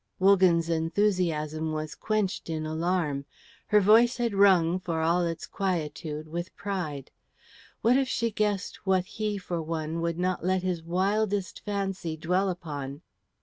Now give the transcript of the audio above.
Wogan's enthusiasm was quenched in alarm. Her voice had rung, for all its quietude, with pride. What if she guessed what he for one would not let his wildest fancy dwell upon?